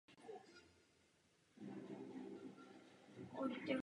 Italská státní pokladna musela zasáhnout ve prospěch hodnoty dluhopisů.